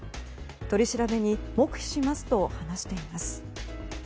取り調べに黙秘しますと話しています。